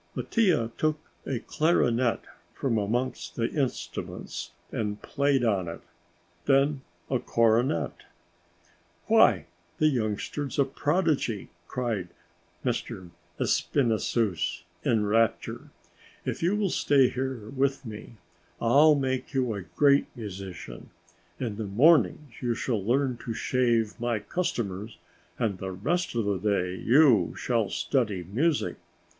Mattia took a clarionette from amongst the instruments and played on it; then a cornet. "Why, the youngster's a prodigy!" cried M. Espinassous in rapture; "if you will stay here with me I'll make you a great musician. In the mornings you shall learn to shave my customers and the rest of the day you shall study music.